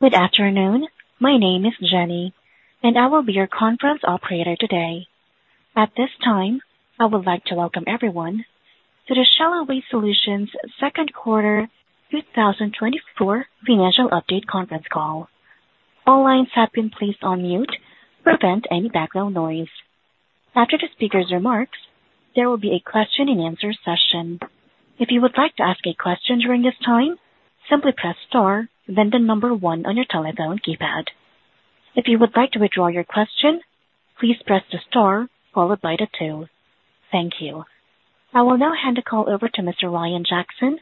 Good afternoon. My name is Jenny, and I will be your conference operator today. At this time, I would like to welcome everyone to the Cielo Waste Solutions second quarter, 2024 financial update conference call. All lines have been placed on mute to prevent any background noise. After the speaker's remarks, there will be a question and answer session. If you would like to ask a question during this time, simply press star, then the number one on your telephone keypad. If you would like to withdraw your question, please press the star followed by the two. Thank you. I will now hand the call over to Mr. Ryan Jackson,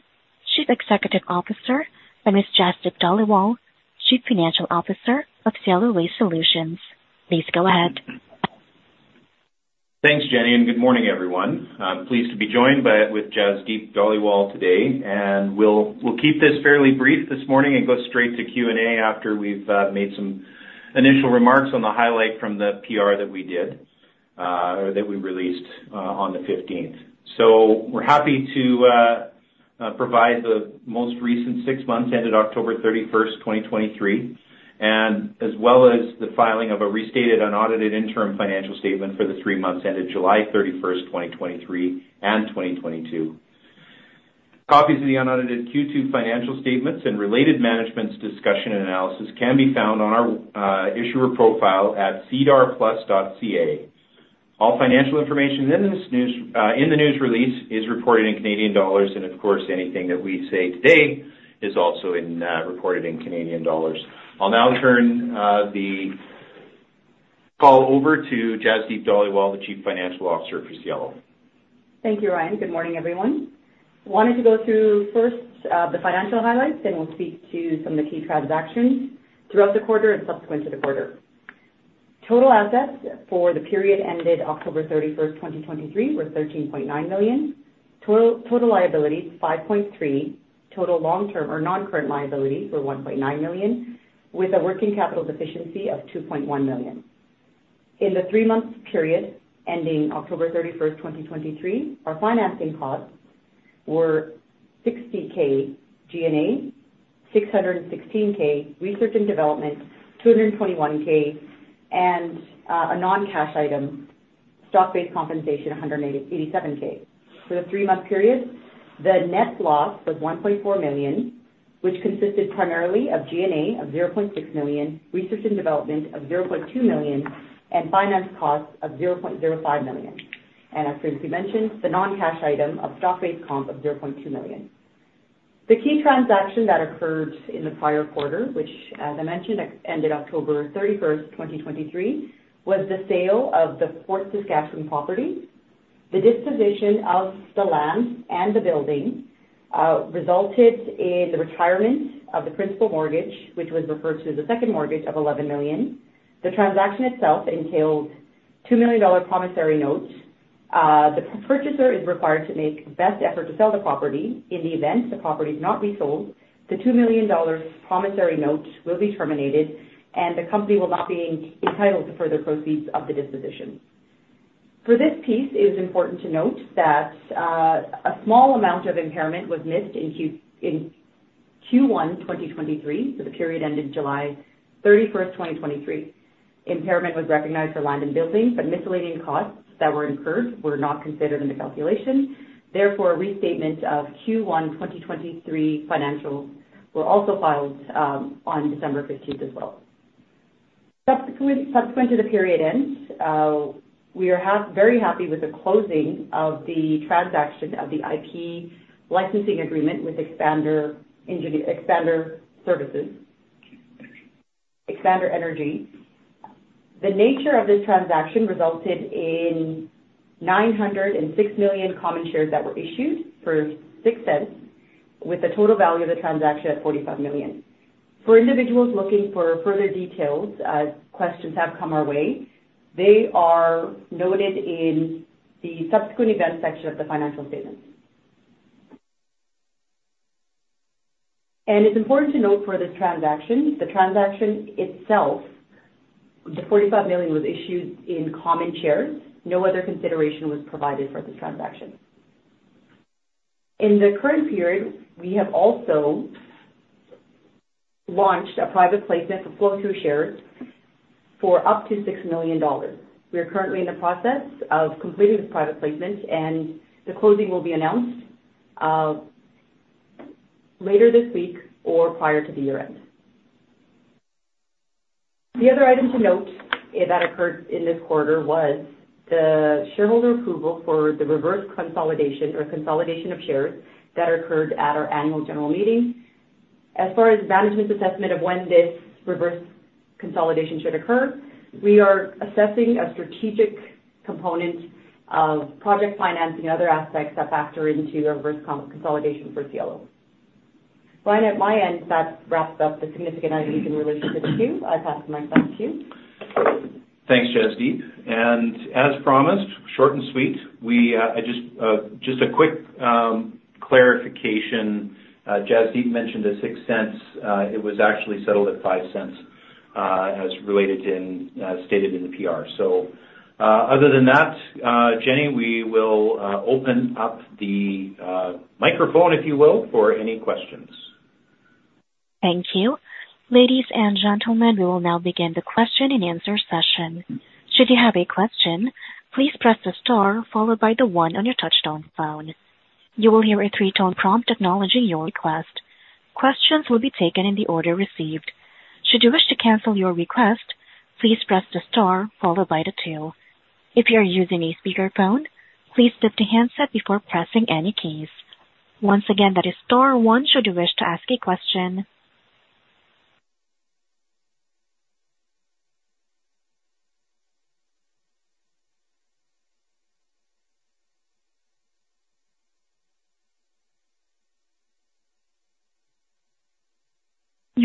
Chief Executive Officer, and Ms. Jasdeep Dhaliwal, Chief Financial Officer of Cielo Waste Solutions. Please go ahead. Thanks, Jenny, and good morning, everyone. I'm pleased to be joined by, with Jasdeep Dhaliwal today, and we'll keep this fairly brief this morning and go straight to Q&A after we've made some initial remarks on the highlight from the PR that we did or that we released on the 15th. We're happy to provide the most recent six months ended October 31, 2023, and as well as the filing of a restated unaudited interim financial statement for the three months ended July 31, 2023 and 2022. Copies of the unaudited Q2 financial statements and related Management's Discussion and Analysis can be found on our issuer profile at sedarplus.ca. All financial information in this news, in the news release is reported in Canadian dollars, and of course, anything that we say today is also in, reported in Canadian dollars. I'll now turn, the call over to Jasdeep Dhaliwal, the Chief Financial Officer for Cielo. Thank you, Ryan. Good morning, everyone. Wanted to go through first, the financial highlights, then we'll speak to some of the key transactions throughout the quarter and subsequent to the quarter. Total assets for the period ended October 31, 2023, were 13.9 million. Total liabilities, 5.3 million. Total long-term or non-current liabilities were 1.9 million, with a working capital deficiency of 2.1 million. In the three-month period ending October 31, 2023, our financing costs were 60,000 G&A, 616,000 research and development, 221,000 and, a non-cash item, stock-based compensation, 187,000. For the three-month period, the net loss was 1.4 million, which consisted primarily of G&A of 0.6 million, research and development of 0.2 million, and finance costs of 0.05 million. And as previously mentioned, the non-cash item of stock-based comp of 0.2 million. The key transaction that occurred in the prior quarter, which as I mentioned, ended October 31, 2023, was the sale of the Fort Saskatchewan property. The disposition of the land and the building resulted in the retirement of the principal mortgage, which was referred to as the second mortgage of 11 million. The transaction itself entailed 2 million dollar promissory notes. The purchaser is required to make best effort to sell the property. In the event the property is not resold, the 2 million dollars promissory note will be terminated, and the company will not be entitled to further proceeds of the disposition. For this piece, it is important to note that a small amount of impairment was missed in Q1 2023, for the period ended July 31, 2023. Impairment was recognized for land and buildings, but miscellaneous costs that were incurred were not considered in the calculation. Therefore, a restatement of Q1 2023 financials were also filed on December 15, 2023 as well. Subsequent to the period end, we are very happy with the closing of the transaction of the IP licensing agreement with Expander Energy. The nature of this transaction resulted in 906 million common shares that were issued for 0.06, with a total value of the transaction at 45 million. For individuals looking for further details, questions have come our way. They are noted in the subsequent events section of the financial statements. It's important to note for this transaction, the transaction itself, the 45 million, was issued in common shares. No other consideration was provided for this transaction. In the current period, we have also launched a private placement for flow-through shares for up to 6 million dollars. We are currently in the process of completing this private placement, and the closing will be announced, later this week or prior to the year-end. The other item to note that occurred in this quarter was the shareholder approval for the reverse consolidation or consolidation of shares that occurred at our annual general meeting. As far as management's assessment of when this reverse consolidation should occur, we are assessing a strategic component of project financing and other aspects that factor into a reverse consolidation for Cielo. Ryan, at my end, that wraps up the significant items in relationship to Q. I pass it back to you. Thanks, Jasdeep, and as promised, short and sweet. I just a quick clarification. Jasdeep mentioned the 0.06. It was actually settled at 0.05... as related in, stated in the PR. So, other than that, Jenny, we will open up the microphone, if you will, for any questions. Thank you. Ladies and gentlemen, we will now begin the question and answer session. Should you have a question, please press the star followed by the one on your touchtone phone. You will hear a three-tone prompt acknowledging your request. Questions will be taken in the order received. Should you wish to cancel your request, please press the star followed by the two. If you are using a speakerphone, please lift the handset before pressing any keys. Once again, that is star one, should you wish to ask a question.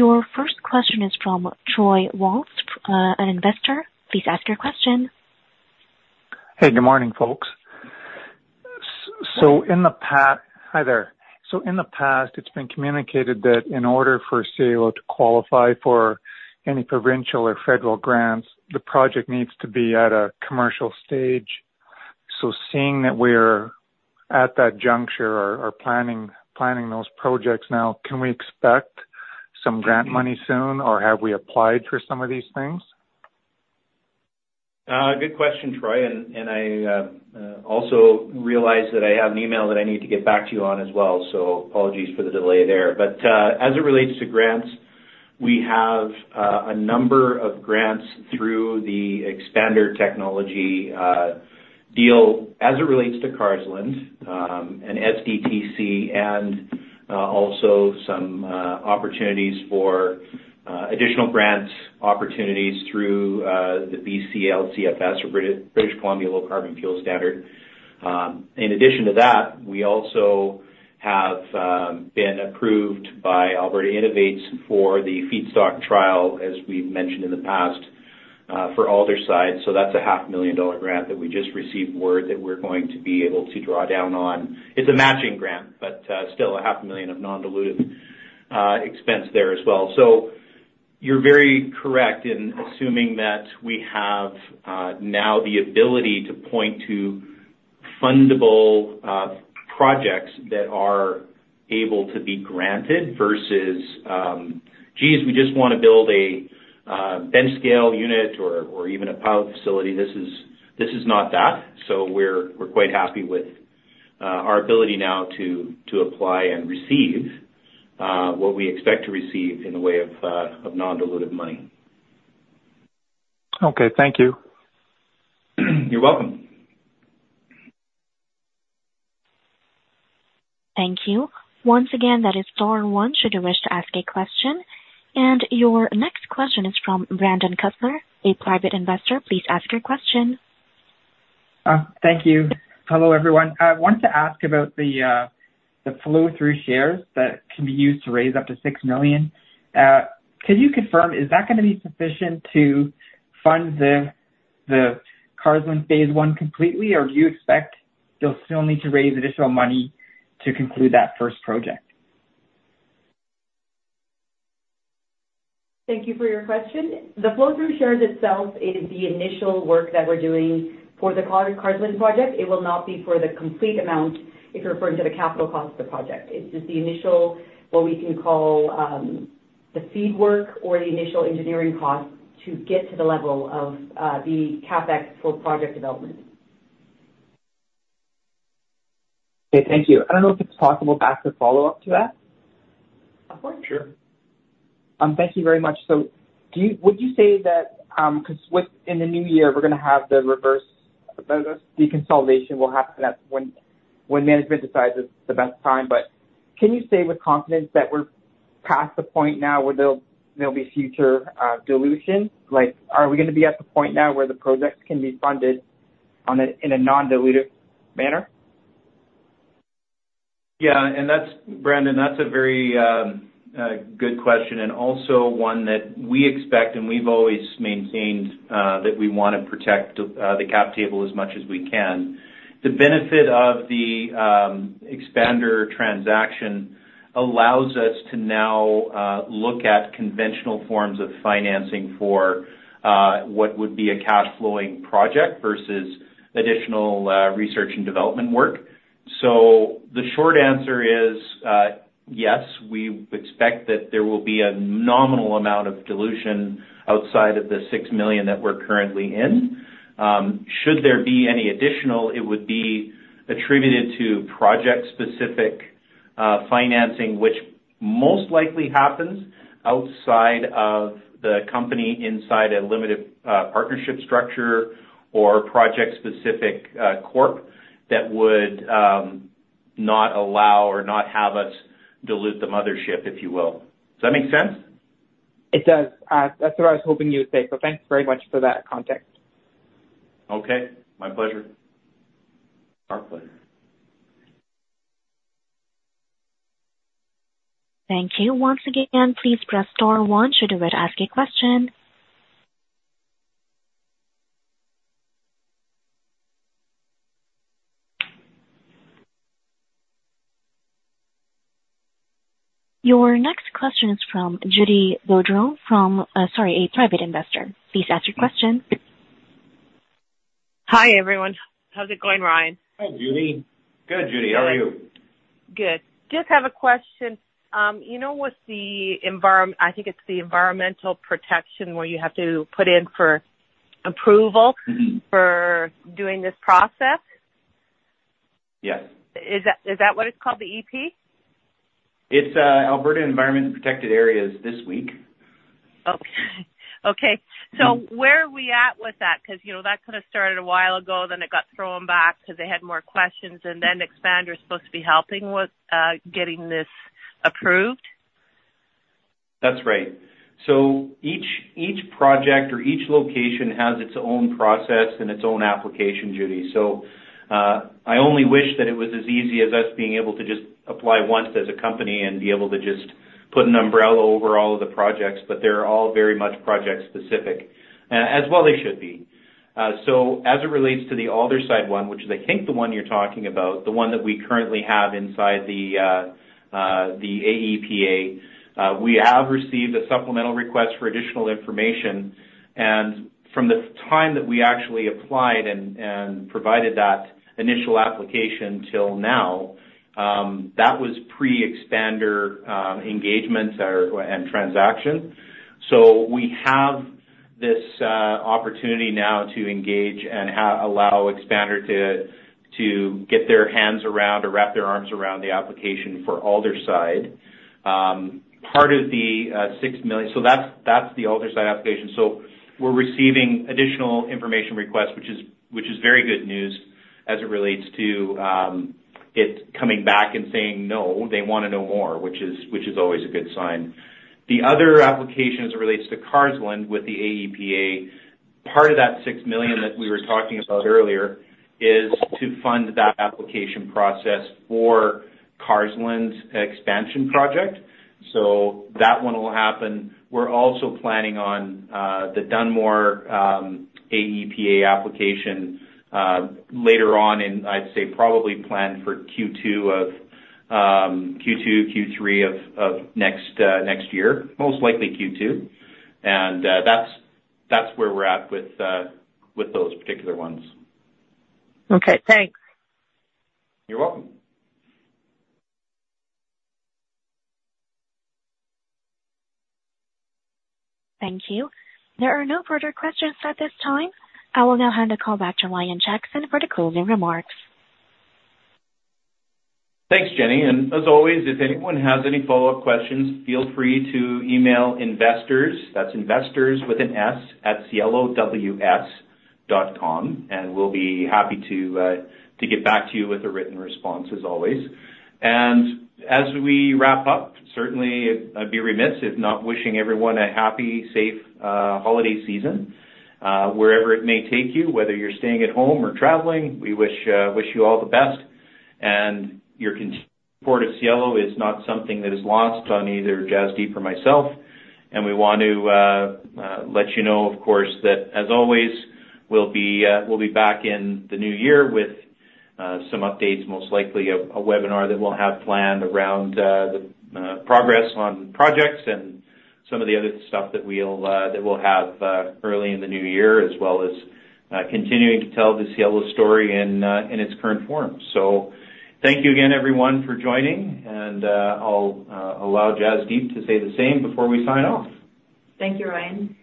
Your first question is from Troy Waltz, an investor. Please ask your question. Hey, good morning, folks. So in the past, it's been communicated that in order for Cielo to qualify for any provincial or federal grants, the project needs to be at a commercial stage. So seeing that we're at that juncture or planning those projects now, can we expect some grant money soon, or have we applied for some of these things? Good question, Troy, and I also realize that I have an email that I need to get back to you on as well, so apologies for the delay there. But as it relates to grants, we have a number of grants through the expander technology deal as it relates to Carseland, and SDTC, and also some opportunities for additional grants, opportunities through the BC LCFS, or British Columbia Low Carbon Fuel Standard. In addition to that, we also have been approved by Alberta Innovates for the feedstock trial, as we've mentioned in the past, for Aldersyde. So that's a 500,000 dollar grant that we just received word that we're going to be able to draw down on. It's a matching grant, but, still 500,000 of non-dilutive expense there as well. So you're very correct in assuming that we have, now the ability to point to fundable projects that are able to be granted versus, "Geez, we just want to build a bench scale unit or even a pilot facility." This is, this is not that. So we're, we're quite happy with, our ability now to, to apply and receive, what we expect to receive in the way of, of non-dilutive money. Okay, thank you. You're welcome. Thank you. Once again, that is star one, should you wish to ask a question. Your next question is from Brandon Kessler, a private investor. Please ask your question. Thank you. Hello, everyone. I want to ask about the, the flow-through shares that can be used to raise up to 6 million. Can you confirm, is that going to be sufficient to fund the, the Carseland phase one completely, or do you expect you'll still need to raise additional money to conclude that first project? Thank you for your question. The flow-through shares itself is the initial work that we're doing for the Carseland project. It will not be for the complete amount, if you're referring to the capital cost of the project. It's just the initial, what we can call, the seed work or the initial engineering cost to get to the level of, the CapEx for project development. Okay, thank you. I don't know if it's possible to ask a follow-up to that? Of course. Sure. Thank you very much. So, would you say that because within the new year, we're going to have the reverse consolidation, which will happen when management decides it's the best time. But can you say with confidence that we're past the point now where there'll be future dilution? Like, are we going to be at the point now where the projects can be funded in a non-dilutive manner? Yeah, and that's, Brandon, that's a very good question and also one that we expect, and we've always maintained that we want to protect the cap table as much as we can. The benefit of the Expander transaction allows us to now look at conventional forms of financing for what would be a cash flowing project versus additional research and development work. So the short answer is yes, we expect that there will be a nominal amount of dilution outside of the 6 million that we're currently in. Should there be any additional, it would be attributed to project-specific financing, which most likely happens outside of the company, inside a limited partnership structure or project-specific corp, that would not allow or not have us dilute the mothership, if you will. Does that make sense? It does. That's what I was hoping you would say. So thanks very much for that context. Okay. My pleasure. Our pleasure. Thank you. Once again, please press star one should you would ask a question. Your next question is from Judy Boudreau from, sorry, a private investor. Please ask your question. Hi, everyone. How's it going, Ryan? Hi, Judy. Good, Judy. How are you? Good. Just have a question. You know, what's the environmental protection where you have to put in for approval? Mm-hmm. -for doing this process? Yes. Is that, is that what it's called, the EP? It's Alberta Environment and Protected Areas this week. Okay. Okay. So where are we at with that? Because, you know, that could have started a while ago, then it got thrown back because they had more questions, and then Expander is supposed to be helping with getting this approved. That's right. So each, each project or each location has its own process and its own application, Judy. So, I only wish that it was as easy as us being able to just apply once as a company and be able to just put an umbrella over all of the projects. But they're all very much project specific, as well they should be. So as it relates to the Aldersyde one, which is, I think, the one you're talking about, the one that we currently have inside the, the AEPA. We have received a supplemental request for additional information. And from the time that we actually applied and provided that initial application till now, that was pre-Expander, engagement or, and transaction. So we have this opportunity now to engage and allow Expander to get their hands around or wrap their arms around the application for Aldersyde. Part of the 6 million... So that's the Aldersyde application. So we're receiving additional information requests, which is very good news as it relates to it coming back and saying, "No," they want to know more, which is always a good sign. The other application as it relates to Carseland with the AEPA, part of that 6 million that we were talking about earlier, is to fund that application process for Carseland's expansion project. So that one will happen. We're also planning on the Dunmore AEPA application later on in, I'd say, probably plan for Q2 of Q2, Q3 of next year. Most likely Q2. That's where we're at with those particular ones. Okay, thanks. You're welcome. Thank you. There are no further questions at this time. I will now hand the call back to Ryan Jackson for the closing remarks. Thanks, Jenny, and as always, if anyone has any follow-up questions, feel free to email investors, that's investors with an S, @cielo.com, and we'll be happy to, to get back to you with a written response as always. As we wrap up, certainly I'd be remiss if not wishing everyone a happy, safe, holiday season. Wherever it may take you, whether you're staying at home or traveling, we wish, wish you all the best. And your support at Cielo is not something that is lost on either Jasdeep or myself, and we want to let you know, of course, that as always, we'll be back in the new year with some updates, most likely a webinar that we'll have planned around the progress on projects and some of the other stuff that we'll have early in the new year, as well as continuing to tell the Cielo story in its current form. So thank you again, everyone, for joining, and I'll allow Jasdeep to say the same before we sign off. Thank you, Ryan.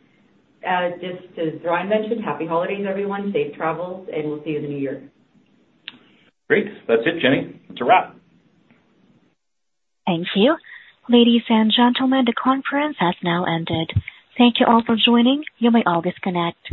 Just as Ryan mentioned, Happy Holidays, everyone. Safe travels, and we'll see you in the new year. Great. That's it, Jenny. That's a wrap. Thank you. Ladies and gentlemen, the conference has now ended. Thank you all for joining. You may all disconnect.